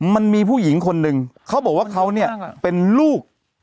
มันมีผู้หญิงคนนึงเป็นลูก